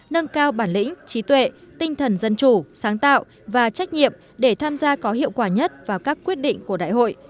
nâng cao bản lĩnh trí tuệ tinh thần dân chủ sáng tạo và trách nhiệm để tham gia có hiệu quả nhất vào các quyết định của đại hội